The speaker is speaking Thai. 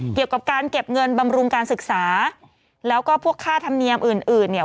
เกี่ยวกับการเก็บเงินบำรุงการศึกษาแล้วก็พวกค่าธรรมเนียมอื่นอื่นเนี่ย